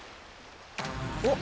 おっ！